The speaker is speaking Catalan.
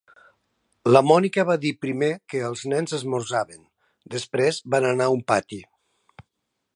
La Mònica va dir primer que els nens esmorzaven, després van anar a un pati.